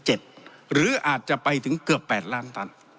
หรืออาจจะไปถึงเกือบ๘ล้านตัน